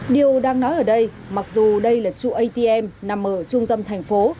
điều đang nói ở đây mặc dù đây là trụ atm nằm ở trung tâm thành phố